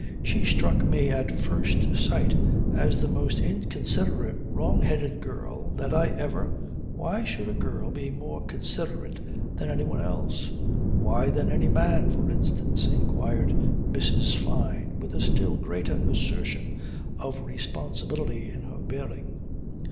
"She struck me at first sight as the most inconsiderate wrong headed girl that I ever ..." "Why should a girl be more considerate than anyone else? More than any man, for instance?" inquired Mrs. Fyne with a still greater assertion of responsibility in her bearing.